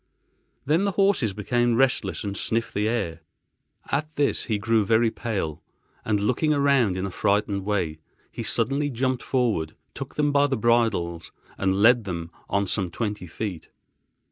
Then the horses became restless and sniffed the air. At this he grew very pale, and, looking around in a frightened way, he suddenly jumped forward, took them by the bridles and led them on some twenty feet.